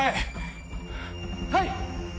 「はい！」